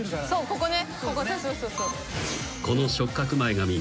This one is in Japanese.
ここね。